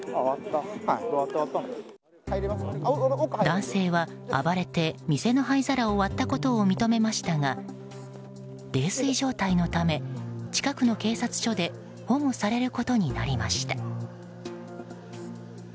男性は暴れて、店の灰皿を割ったことを認めましたが泥酔状態のため、近くの警察署で保護されることになりました。